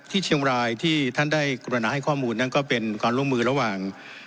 เชียงรายที่ท่านได้กรุณาให้ข้อมูลนั้นก็เป็นความร่วมมือระหว่าง